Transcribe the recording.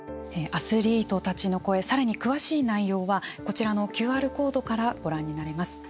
アスリートたちの声さらに詳しい内容はこちらのＱＲコードからご覧になれます。